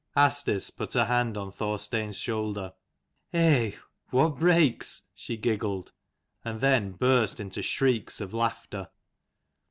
Asdis put her hand on Thorstein's shoulder. " Eh, what breaks !" she giggled, and then burst into shrieks of laughter.